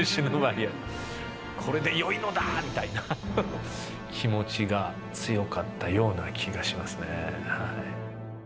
これでよいのだみたいな気持ちが強かったような気がしますね。